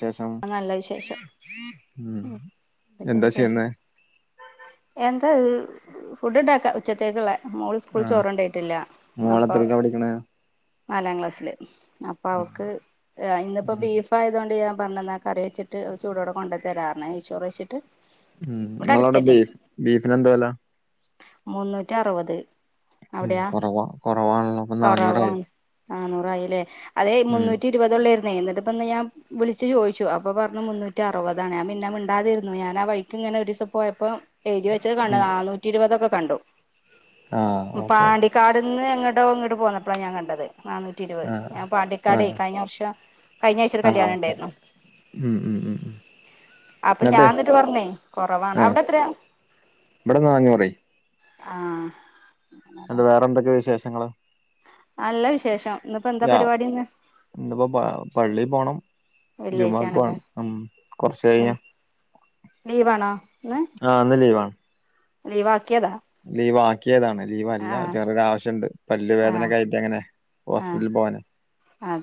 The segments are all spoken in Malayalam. ചെസം ആ നല്ല വിശേഷം എന്താ ചെയ്യുന്നേ? എന്താത് ഫുഡ് ഉണ്ടാക്കാ ഉച്ചത്തേക്ക്ള്ളെ? മോള് സ്കൂള് ആഹ് ചോറോണ്ടോയിട്ടില്ല അപ്പോ. മോളെത്രയിലാ പഠിക്കണേ നാലാം ക്ലാസ്സില്. അപ്പോ ഉം അവക്ക് ഇന്ന്പ്പോ ഉം ബീഫായതുകൊണ്ട് ഞാ പറഞ്ഞു ന്നാ കറിവെച്ചിട്ട് ചൂടോടെ കൊണ്ട് തരാന്നർന്നു, നെയ്ചോറ്ച്ട്ട്. ഉം നിങ്ങളവടെ ബീഫ് ബീഫ്ന് എന്താ വെല മുന്നൂറ്റി അറുപത് ഉം അവിടെയാ കുറവാ കുറവാണല്ലോ പ്പോ നാന്നൂറായി നാനൂറായി ലെ അതെ മുന്നൂറ്റി ഇരുപതള്ളായിരുന്നെ എന്നിട്ടിപ്പന്ന് ഞാൻ വിളി ച്ച് ചോദിച്ചു അപ്പ പറഞ്ഞു മുന്നൂറ്റി അറുപതാണ് ഞാൻ പിന്നെ മിണ്ടാതിരുന്നു ഞാൻ ആ വഴിക്ക് ഇങ്ങനെ ഒരു ദിവസം പോയപ്പോ എഴുതി വെച്ചത് കണ്ടു ഉം നാന്നൂറ്റി ഇരുപതൊക്കെ കണ്ടു ആഹ് ഓക്കെ ഓക്കെ പാണ്ടിക്കാട് ട്ന്ന് എങ്ങ്ട്ടോ ഇങ്ങ്ട്ട് പോന്നപ്പളാ ഞാൻ കണ്ടത് നാനൂറ്റ് റ്റി ഇരുപത് ആഹ് ഞാൻ പാണ്ടിക്കാടെയ് ആഹ് കഴിഞ്ഞ വർഷം കഴിഞ്ഞ ആഴ്ച്ച ഒരു ആഹ് കല്യാണം ഓക്കെ ഉണ്ടായിരുന്നു ഉം ഉം ഉം അപ്പോ ഞാൻ എന്നിട്ട് പറഞ്ഞേയ് കുറവാണ് അവിടെ എത്രയാ? ഇബടെ നാനൂറെയ് ആഹ് ന്ന്ട്ട് വേറെ എന്തൊക്കെ വിശേഷങ്ങള് നല്ല വിശേഷം ഇന്നിപ്പോ എന്താ യ പരിപാടി ഇന്ന് ഇന്ന്പ്പോ പള്ളി പോണം ജുമുഅക്ക് വെള്ളിയാഴ്ചയാണല്ലേ പോണം ഉം കൊറച്ചയിന ലീവാണോ ഇന്ന് ആഹ് ഇന്ന് ലീവാണ് ലീവാക്കിയതാ ലീവാക്കിയതാണ് ലീവല്ല ആഹ് ചെറിയൊരു ആവശ്യം ഉണ്ട് പല്ല് ആഹ് വേദനക്ക ആയിട്ട് അങ്ങനെ ഹോസ്പിറ്റലിൽ പോവാന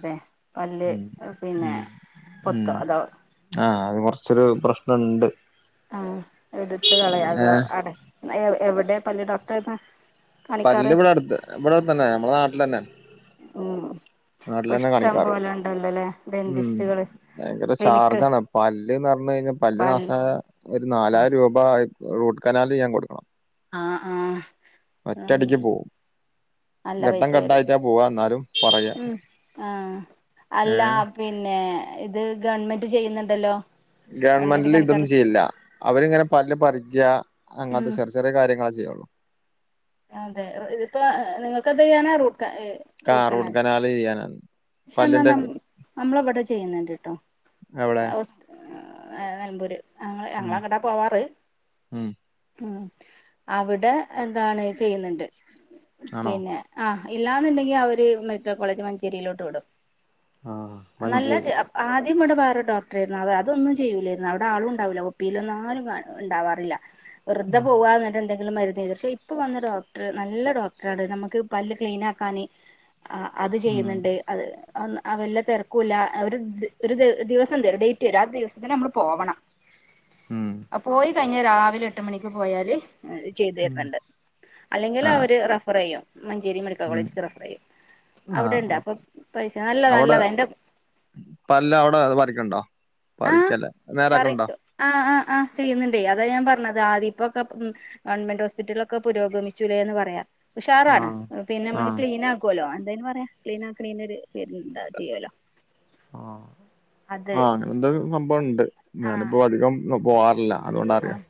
ഏഹ് പല്ല് ഉം ഉം പൊത്തോ അതോ ആഹ് അത് കൊറച്ചൊരു പ്രശ്നണ്ട് ആഹ് എടുത്ത് കളയാ അതോ ഏഹ് അട എവിടെ പല്ല് ഡോക്ടർ ഏതാ പല്ല് ഇവിടെ അടുത്ത് ഇവിടെ അടു ത്തന്നെ നമ്മളെ നാട്ടിലന്നെ ഉം നാട്ടിലന്നെ ഇപ്പഷ്ടം കാണിക്കാറ് പോലെ ഇണ്ടല്ലോ ലെ ഉം ഡെന്റിസ്റ്റുകള് ഭയങ്കര ക്ലിനിക്ക് ചാർജാണ് പല്ല്ന്ന് പറഞ്ഞ് കഴിഞ്ഞാൽ പല്ല് പൽ നാസായ ഒരു ആഹ് നാലായിരം രൂപ റൂട്ട് കനാൽ ചെയ്യാൻ കൊടുക്കണം ആഹ് ഒറ്റടിക്ക് ആഹ് പോവും നല്ല ഘട്ടം പൈസ വരും ഘട്ടായിട്ടാ പോവാ എന്നാലും പറയാ ഉം ആഹ് അല്ല ഏഹ് പിന്നെ ഇത് ഗവൺമെന്റ് ചെയ്യുന്നുണ്ടല്ലോ ഗവൺമെന്റ് ഗവൺമെന്റില് ഇതൊന്നും കാണിക്കാറ് ചെയ്ല്ല അവരിങ്ങനെ പല്ല് പറിക്ക അങ്ങനത്തെ ഉം ചെറിയ ചെറിയ കാര്യങ്ങളെ ചെയ്യുള്ളൂ അതെ ഇതിപ്പോ നിങ്ങൾക്ക് എത് ചെയ്യാന റൂട്ട ആഹ് റൂട്ട് കനാലേയ്യാനാ പക്ഷെ എന്നാ ന നമ്മൾ അവിടെ ചെയ്യുന്നുണ്ട് ട്ടോ എവിടെ നിലമ്പൂര് ഞങ്ങ ഉം ഞങ്ങങ്ങട്ടാ പോവാറ് ഉം ഉം അവിടെ എതാണ് ചെയ്യുന്നുണ്ട് ആണോ പിന്നെ ആഹ് ഇല്ലാന്നുണ്ടെങ്കി ആവര് മെഡിക്കൽ കോളേജ് മഞ്ചേരിയിലോട്ട് വിടും ആഹ് നല്ല മഞ്ചേരി ആദ്യം ഇവിടെ വേറെ ഡോക്ടർ ആയിരുന്നു അവർ അതൊന്നും ചെയ്യൂലായിരുന്നു അവിടെ ആളുംണ്ടാവില്ല ഒപീൽ ഒന്ന ആരും കാണും ഉണ്ടാവാറില്ല വെറുതെ ഉം പോവു ന്നട്ടം എന്തെങ്കിലും മരുന്ന് പക്ഷെ ഇപ്പൊ വന്ന ഡോക്ടർ നല്ല ഡോക്ടറാണ് നമുക്ക് പല്ല് ക്ലീന ആക്കാന് ആഹ് അത് ചെയ്യുന്നുണ്ട് അതെ വല്ല തിരക്കൂല്ല ഒരു ഒരു ദിവസം തരും ഡേറ്റ് വരും ആ ദിവസ തന്നെ നമ്മള് പോകണം ഉം ആ പോയി കഴിഞ്ഞ രാവിലെ എട്ട് മണിക്ക് പോയാല് ചെയ്ത് ഉം തര്ന്നണ്ട് അല്ലെങ്കിൽ ആഹ് അവര് റഫർ ചെയ്യോ മഞ്ചേരി മ ള ഉം ഫ ചെയ്യും അവിടെ ആഹ് ഉണ്ട് അപ്പൊ ഓക്കെ പൈസ നല്ലത നല്ലതാ അതിന്റെ ഇപ്പല്ല അവിടെ അത് പറക്കണ്ടോ ആഹ് പറു ആ ആഹ് ആഹ് ചെയ്യുന്നുണ്ടേ അതാ ഞാൻ പറഞ്ഞത് ആദ്യ ഇപ്പൊക്കെ ഗവൺമെന്റ് ഹോസ്പിറ്റലക്കെ പുരോഗമിച്ചൂേ എന്ന് പറയാ ഉഷാറാണ് ആഹ് പിന്നെ നമ്മ ആഹ് ക്ലീൻ ആ ആലോ എന്തായന് പറയാം ക്ലീൻ ആക്കണ എന്താ ചെയ്യല്ലോ ആഹ ആഹ അങ്ങനെ എന്താ സംഭവുണ്ട് ആ ഞാനിപ്പോ അധികം പോവാറില്ല ആ അതുകൊണ്ടറാം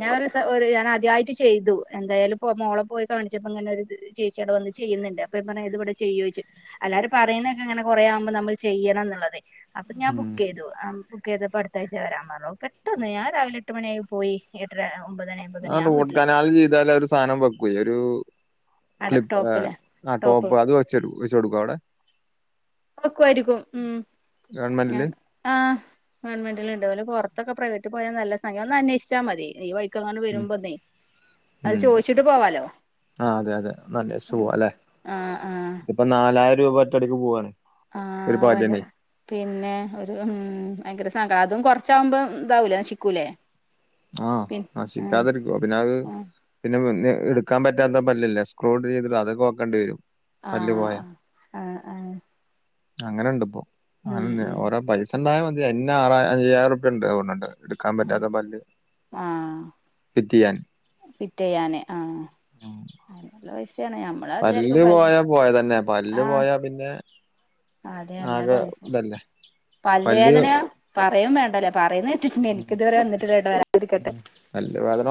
ഞാൻ ഒരു ഞാന അദ്യമായിട്ട് ചെയ്തു എന്തായാലും മോളെ പോയി കാണിച്ചപ്പോ ഇങ്ങനെ ചെയ് ചച്ചട വന്ന് ചെയ്യുന്നുണ്ട്പ്പ ഇ പറ ഇവിടെ ചെയ്യോ ചോച്ചു അല്ലാരും പറയുന്നൊക്കെ ഇങ്ങനെ കൊറ ആവുമ്പോ നമ്മൾ ചെയ്യണം എന്നുള്ളത്െ അപ്പൊ ഞാൻ ഉം ബുക്ക്്ത് ബുക്ക് ചെയ്ത് അടുത്തഴ്ച വരാൻ പററോ പെട്ടന്ന് ഞാൻ രാവിലെ എട്ട് മണിയായി പോയി എട്ടര ഒമ്പതന് ആ റോഡ് കനാൽ ചെയ്താാല ഒരു സാധനം വെക്ക ഒരു അട ക്ലിപ്പ് ടോപ്പില് ആ ടോപ്പ് അത് വച്ച വെച്ച കൊടുക്കും അവിടെ ഒക്കായിരിക്കും ഉ ഗവൺമെന്റില് ആ് ഗവൺമെന്റിൽ ഉണ്ടലെ പുറത്തൊക്കെ പ്രൈവറ്റിൽ പോയാ നല്ല സംമയം ഒന്ന് അന്വേഷിച്ചാൽ മതി ഈ എാൻ ഉം വരുമ്പോതെ അത് ഉം ചോദിച്ചിട്ട് പോവാലോ ആഹ് അതെ അതെ ഒന്ന് ആഹ ആഹ അപ്പ നാലായിരം രൂപ ഒറ്റടക്ക് പോവയാണ് ആ ഭങ്ങനെ പിന്നെ ഒരു ഉ ഭയങ്കര സങ്കടം അതും കൊറച്ചാകുമ്പോ ഇതാവൂലേ നശിക്കൂലേ ആഹ പിൻ ഉം നശിക്കാതിരിക്കുവ പിന്നെ അത് ഉം പിന്നെ എടുക്കാൻ പറ്റാത്ത പല്ലില്ലല്ല സ്ക്രോഡ് ചെയ്തിട്ട അതൊക്കെ വക്കണ്ടി വരും ആ പല്ല് പോയാ ആ് ആ ആ അങ്ങനെ ഇണ്ട് ഇപ്പോൊ അങ്ങനെ ഉം ഓോ പൈസണ്ടായ മതി അ ആറ അയ്യായിരം രൂപ ഉണ്ട്ണ്ട് എടുക്കാൻ ഉം പറ്റാത്ത പല്ല് കിറ്റ് ചെയ്യാൻ പിറ്റ്യാനെ ആ നല്ല പൈസാണ് ഞാൻ പല്ല് പോയാ പോയ തന്നെ പല്ല് പോയ പിന്നെ ആദ്യല്ല ആകെ പൈസ ഇതല്ലേ പല്ല് പല്ുവേദന പറയും വേണ്ടല്ലേ പറയുന്ന പിന്ന ഉം എനിക്ക ഇതുവരെ വന്നിട്ടില്ല കേട്ടോ വരാതിരിക്കട്ടെ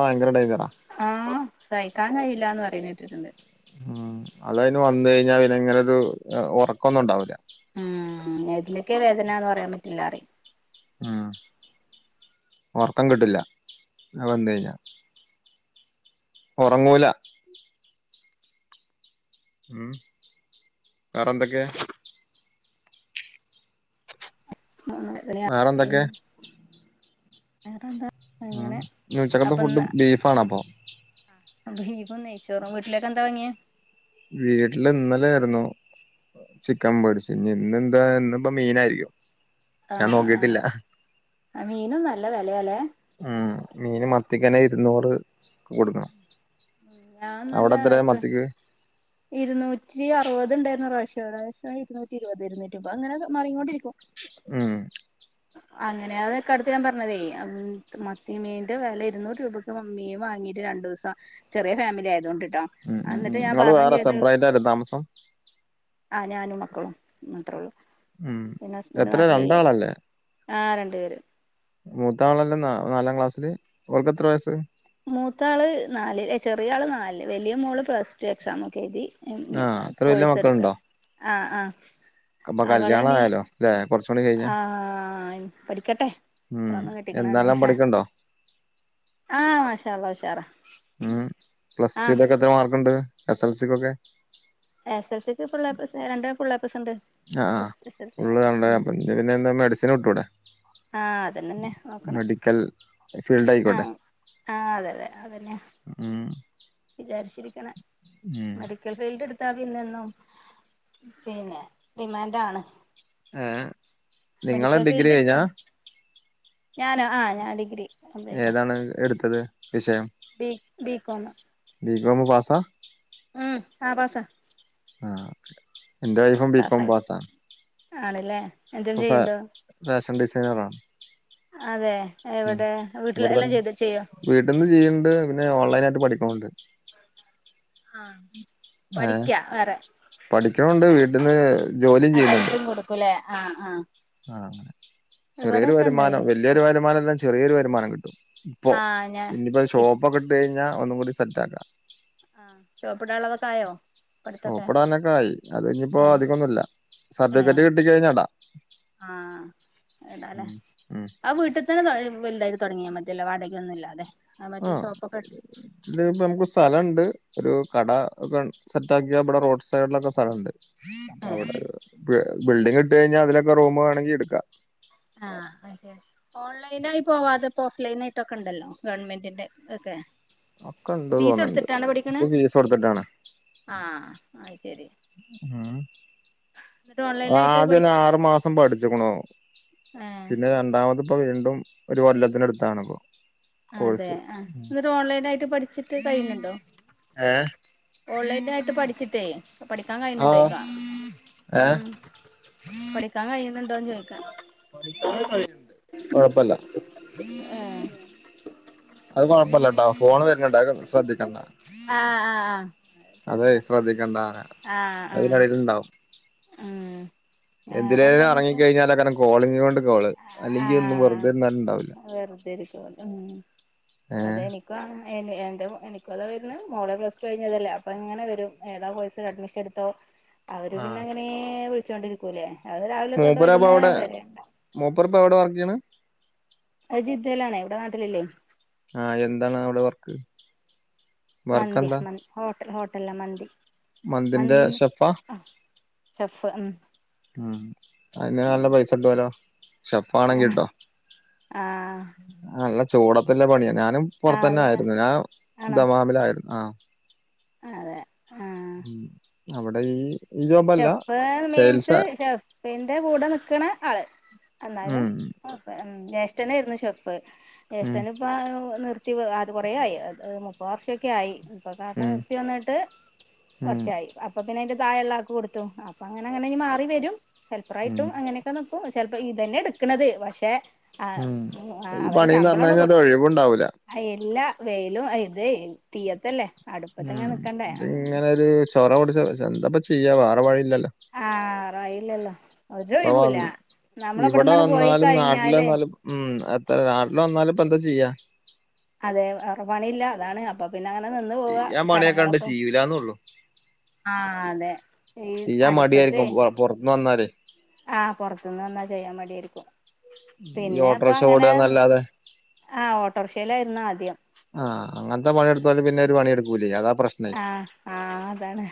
ആ ടെൻജർ ആ ആഹ സഹിക്കാൻ കഴിയില്ലന്ന് പറയുന്ന കേട്ടിട്ടുണ്ട് ഉം അതതിന് വന്ന കഴിഞ്ഞാൽ പിങ്ങനൊ ഒരു ഉറക്കൊന്നും ഉണ്ടാവില്ല ഉം ഇതിനലൊക്കെ വേദന എന്ന് പറയാൻ പറ്റില്ല അറിയ ഉം ഒറ്ക്കം കിട്ടില്ല അഹ് വെന്നയ്ഞ്ഞാ ഒറ്ങ്ങൂല ഉം വറെ ന്തൊക്കെ [unintelligible] വേറെന്തൊക്കെ വേറെന്താ ഉം അങ്ങനെ ഞ് ഉച്ചക്കത്തെ അപ്പൊ ഇന്ന് ഫുഡും ബീഫാണപ്പൊ ബീഫും നെയ്ച്ചോറും വീട്ടിലേക്കെ ന്താ വാങ്ങിയെ വീട്ടില് ഇന്നലെ ആയ്രുന്നു ചിക്കം മേട്ച്ച് ഞ് ഇന്ന് എന്താ ഇന്നിപ്പ മീനായിരിക്കും ഞാൻ ആഹ് നോക്കിട്ടില്ല ആഹ് മീനും നല്ല വെലാലേ ഉം മീന് മത്തിക്കനെ ഇര്ന്നൂറ് കൊട്ക്കണം ഞാൻ അവ്ടെ ഇന്നലെ എത്ര ഹസ്ബ മത്തിക്ക് ഇരുന്നൂറ്റി അറുപത് ണ്ടേര്ന്നു പ്രാവശ്യം പ്രാവശ്യം ഇര്നുറ്റി ഇരുപത് ഇരുന്നൂറ്റിപ്പൊ അങ്ങനെെ മറിങ്ങോണ്ടിരിക്കും ഉം അങ്ങനെ അതൊക്കെ അട്ത്ത് ഞാൻ പറഞ്ഞതേ മത്തി മീന്റെ വെല ഇരുന്നൂറ് രൂപയ്ക്ക് മീൻ വങ്ങീട്ട് രണ്ടു ദി ചെറിയ ഫാമിലി ആയതൊണ്ട് ട്ടോ ഉം ഉം ങ്ങള് വേറെ സെബ്രൈറ്റായിട്ട് താമസം ആഹ് ഞാനും മക്കളും മാത്ര ഒള്ളൂ ഉം എത്ര രണ്ടാളല്ലേ ആ രണ്ട് പേര് മൂത്താളല്ലേ നാലാം ക്ലാസ്സില് ഓല്ക്ക് എത്ര വയസ്സ് മൂത്താള് നാല് ചെറിയ ആള് നാല് വലിയ മോള് പ്ലസ് ടു എക്സാംമോ ക്കെ എഴുതി ആഹ് അത്ര വെല്ല്യ കോഴ്സ് മക്കള്ണ്ടോ? ആഹ് ആഹ് അവള് കല്യാണം നി ആയാലോ അല്ലെ കുറച്ചുകൂടി കഴിഞ്ഞാ ആഹ് പഠിക്കട്ടെ ഉം ഇപ്പൊന്നും എന്നാലാം കെട്ടിക്കണന്നില്ല പഠിക്ണ്ടോ ആഹ് മഷാഅല്ല ഉഷാറാ ഉം പ്ലസ് ആഹ് ടുന്റെ ക്കെ എത്ര മാർക്ക്ണ്ട് എസ് എൽ സിക്ക്ക്കെ എസ് എൽ സിക്ക് ഫുള്ള് എ പ്ലസ് രണ്ടാൾ ഫുള്ള് എ പ്ലസ് ണ്ട് ആഹ് ആഹ് ഉള്ള് കണ്ട പിന്നെ എന്താ മെഡിസിന് വിട്ടൂടെ ആഹ് അതന്നെന്നെ നോക്കണെ മെഡിക്കൽ ഫീൽഡായ്ക്കോട്ടെ ആഹ് ആഹ് അതെ അതെ അതന്നെ ഉം വിചാര്ച്ചിരിക്ണേ ഉം ക്കെൽ ഫീൽഡ് ട്ത്താ പിന്നെന്നും പിന്നെ ഡിമാൻഡാ ണ് ഏ നിങ്ങള് ഡിഗ്രി ഫീൽഡ് കഴിഞ്ഞാ എടുത്താൽ ഞാനോ ആഹ് ഞാൻ ഡിഗ്രി ഏതാണ് എട്ത്തത് വിഷയം ബീ ബികോമ് ബീകൊമ് പാസാ ഉം ആ പാസാ ആഹ് എന്റെ വൈഫും ബികോം പാസാ ആണ് ല്ലേ പ്പോ ഫേ ഫേഷൻ ഡിസൈനറാ അതെ എവെടെ വീട്ടിൽ എല്ലാം ചെയ്തു ചെയ്യോ വീട്ടിന്ന് ചെയ്യ്ണ്ട് പിന്നെ ഓൺലൈനായിട്ട് പഠിക്കുണ് ണ്ട് ആഹ് ഏ പഠിക്ണുണ്ട് വീട്ടിന്ന് ജോലിം ചെയ്യ്ന്ന്ണ്ട് കൊലെ ആഹ് ആഹ് ആഹ് അങ്ങനെ ചെറിയൊരു വരുമാനം ഉണ്ടായി വല്യയൊരു വരുമാനല്ല ചെറിയൊരു വരുമാനം കിട്ടും. ഇപ്പോ ആ ഞാൻ ഇനിയിപ്പോ ഇപ് ഷോപ്പൊക്കെ ഇട്ട് കഴിഞ്ഞാ ഒന്നും കൂടി സെറ്റ് ആക്കാ ഷോപ്പ് ഇടാളളതൊക്കെ ആയോ പഠിത്തൊക്കെ ഷോപ്പ്ടാനൊക്കെ ആയി അത് ഇനിപ്പോ ഏ അധികൊന്നുല്ല സർട്ടിഫിക്കറ്റ് കിട്ടിക്കഴിഞ്ഞ ഇട ആഹ് ഇടാലോ ആ വീട്ട് തന്നെ വലതായിട്ട് തുടങ്ങിയാ മതിയല്ലോ വാടകൊന്നും ഇല്ലാതെ ആ മറ്റേ ഷോപ്പൊക്കെ ഇല്ലേ ഇപ്പം നമുക്ക് സ്ഥലണ്ട് ഒരു കട ഒക്കെ സെറ്റാക്കിയ ഇവിടെ റോഡ് സൈഡിലൊക്കെ സ്ഥലണ്ട്. അപ്പ ഏ അവിടെ ബിൽഡിങ് ഇട്ട് കഴിഞ്ഞാ അതിലൊക്കെ റൂം വേണമെങ്കി ഇടുക്കാ ആഹ് മറ്റേ ഓൺലൈനായി പോവാതെ ഇപ്പോ ഓഫ്ലൈൻ ആയിട്ടൊക്കെ ഉണ്ടല്ലോ ഗവൺമെന്റിന്റെ ഇതൊക്കെ ഒക്കെണ്ട് തോന്ന്ണ്ട് ഇത് ഫീസ് കൊടുത്തിട്ടാണ് ആഹ് അഹ് ശരി മ്മ് എന്നിട്ട് അത് ഓൺലൈനായിട്ട് ആദ്യന്നെ പഠിക്ക ആറു മാസം പഠിച്ചിക്ക്ണു ഏഹ് പിന്നെ രണ്ടാമത് ഇപ്പൊ വീണ്ടും ഒരു കൊല്ലത്തിന് അടുത്താണല്ലോ അതെ ആ ഇന്നട്ട് ഓൺലൈനായിട്ട് പഠിച്ചിട്ട് കഴിയുന്നുണ്ടോ ഏഹ് ഓൺലൈനായിട്ട് പഠിച്ചിട്ടേ പഠിക്കാൻ കഴുന്നുണ്ടോ ആഹ് ചോയിക്കാ ഏഹ് ഉം പഠിക്കാൻ കഴുന്നുണ്ടോന്ന് ചോയിക്കാ പഠിക്കാൻ കഴിയുന്നുണ്ട് കൊഴപ്പല്ല ഏഹ് അത് കുഴപ്പല്ല ട്ടോ ഫോണ് വരണുണ്ട് അത് ശ്രദ്ധിക്കണ്ട. ആഹ്, ആഹ്, ആഹ്. അതെ സാരല്ല ശ്രദ്ധിക്കേണ്ടാറയാ ആഹ് ആഹ് അതിനിടയിലുണ്ടാവും. ഉം. എന്തിലേലും എറങ്ങി വേറെന്താന്നിട്ട് കഴിഞ്ഞാലേ കാരം കോളിങ്ങിനോട് കോള് അല്ലെങ്കി ഒന്നും വെറുതെ ഇരന്നാലും ഉണ്ടാവില്ല. വെറുതെരിക്കും അതെ എനി [unintelligible] എനിക്കതും വര്ന്നേ ക്ക എന്റെ എനിക്കതാവരുന്നേ മോള് പ്ലസ് ടു കഴിഞ്ഞതല്ലേ അപ്പങ്ങനെ വരും ഏതാ കോഴ്സിൽ അഡ്മിഷൻ എടു ത്തോ അവര് പിന്നെ ആഹ് അങ്ങനെ വിളിച്ചോണ്ടിരിക്കൂല്ലേ അവര് രാവിലെ തൊട്ട് വൈകുന്നേരം വരെ ഉണ്ടാവും. മൂപ്പർ ഇപ്പം എവിടവർക്ക് ചെയ്യണേ? അ ജിദ്ദേലാണെ ഇവിടെ നാട്ടിലില്ലേ. ആഹ് എന്താണ് അവിടെ വർക്ക്? വർക്ക് മന്തിയാ എന്താ മ ഹോട്ടൽ ഹോട്ടലാ മന്തി മന്തിന്റെ മന്തിന്ന് ഷെഫാ ആ. ഷെഫ് ഉം. ഉം അയിന് നല്ല ഉം പൈസട്ടുവല്ലോ ഷെഫ് ആണെങ്കിട്ടോ. ആഹ്. നല്ല ചൂടത്തില്ല പണിയാ ഞാനും ആ പൊറത്തന്നെ അതെ ആയിരുന്നു ഞാൻ ആണോ ദമാമിലായിരുന്നു ആഹ്. അതെ ആ ഉം അവിടെ ഈ ജോബല്ല ഷെഫ് മീൻസ് സെയിൽസാ ഷെഫിന്റെ കൂടെ നിക്ക്ണ ആള്. എന്നാലും. ഉം ജേഷ്ഠനായിരുന്നു ഷെഫ്. ഉം ജേഷ്ഠനും ഇപ്പ അഹ് നിർത്തി അത് കൊറെആയി അത് മുപ്പത് വർഷൊക്കെ ആയി. അപ്പൊ കാക്ക ഉം നിർത്തി വന്നിട്ട് ഉം കുറച്ചായി അപ്പൊ പിന്നെ അയിന്റെ താഴെള്ള ആ ക്ക് കൊടുത്തു അപ്പ അങ്ങനങ്ങനെ മാറി വരും ഉം ഹെൽപ്പറായിട്ടും അങ്ങനെ [unintelligible] നിക്കും ചിലപ്പോ ഇതന്നെ എടുക്ക്ണത് പക്ഷെ ആ ഉം ഈ പണിന്ന്റഞ്ഞ അയിനൊരു ഒഴിവുണ്ടാവില്ല. അയ് എല്ലാ വെയിലും ഇത് തീയത്തല്ലേ. ഉം അടുപ്പത്ത്ങ്ങനെ നിക്കണ്ടേ ഇതി ആഹ് ഇങ്ങനൊരു ചൊറ പിടിച്ച എന്തപ്പ ചെയ്യാ വേറെ വഴിയില്ലല്ലോ. ആഹ് വേറെ വയില്ലല്ലോ ഒരു ഇവിടെ വ ഒഴിവുല്ല ഇവിടെ നമ്മളെവിടന്നാണ് പോയി വന്നാലും നാട്ടില് കഴിഞ്ഞാലേ. വന്നാലും ഉം എത്ര നാട്ടില് വന്നാലും ഇപ്പ എന്താ ചെയ്യാ. അതെ വേറെ പണിയില്ല അതാണ് അപ്പൊ പിന്നെ അങ്ങനെ നിന്ന് പോവാ ചെയ്യാൻ പണിയൊക്കെ ഉണ്ട് കടങ്ങളൊക്കെ ചെയ്യൂലാന്നൊള്ളു ആ അതെ ഈ അടുപ്പ [unintelligible] പൊറത്തുന്നു വന്നാലെ ആഹ് പൊറത്തുന്ന് വന്നാ ചെയ്യാൻ മടിയാരിക്കും. ഈ പിന്നെ അപ്പൊ ഓട്ടോറിക്ഷ അങ്ങനെ ഓടാന്നല്ലാതെ ആഹ് ഓട്ടോറിക്ഷയിലായിരുന്നു ആദ്യം. ആഹ് അങ്ങനത്തെ പണിടുത്താലും പിന്നെ ഒരു പണിടുക്കൂല്ലേ അതാ പ്രശ്നം. ആഹ്, ആഹ് അതാണ്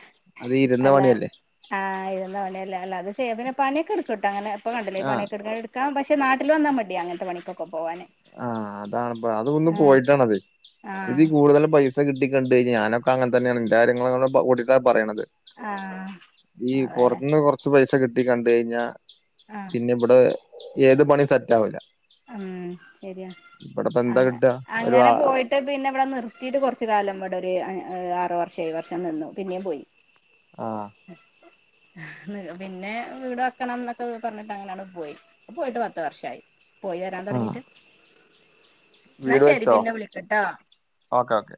അത് ഇരുന്ന അല്ല പണിയല്ലേ ആഹ്തന്ന [unintelligible] അത് ചെയ്യാം പിന്നെ പണിയൊക്കെടുകേട്ട അങ്ങനെപ്പ കണ്ടല്ലേ ആഹ് പണിയോക്കെ എടുക്ക ക്ക പക്ഷെ നാട്ടിൽ വന്നാ മതിയ അങ്ങനത്തെ പണിക്കൊക്കെ പോകവാന്. ആഹ് അതാണ്പ്പ അതൊന്ന് പോയിട്ടാണത് ഇതി ആഹ് കൂടുതൽ പൈസ കിട്ടിക്കണ്ട് കഴിഞ്ഞ ഞാനൊക്കെ അങ്ങനെ തന്നെയാണ് എ കാര്യങ്ങള കൂട്ടിട്ടാ പറയണത്. ആഹ് ഈ അതെല്ലേ പുറത്തിന്ന് കൊറച്ച് പൈസ കിട്ടി കണ്ട് കഴിഞ്ഞാ ആഹ് പിന്നെ ഇവിടെ ഏത് പണി സെറ്റാവുല. ഉം ശരിയാ എന്താ അങ്ങ കിട്ടാ ഒരു ആ അങ്ങനെ പോയി മ പിന്നെ ഇവിടെ നിർത്തിയിട്ട് കൊറച്ചു കാലം ഇവിടെ ഒരു ആറ് വർഷം ഏഴ് വർഷം നിന്നു പിന്നേം പോയി. ആഹ്. ഉ [inaudible] പിന്നെ വീട് വെക്കണം എന്നൊക്കെ പറഞ്ഞിട്ട് അങ്ങനാട് പോയി പോയിട്ട് പത്ത് വർഷായി. പോയി വരാൻ ആഹ് തോടങ്ങിട്ട്. വീട് വെച്ചോ? Okay, okay.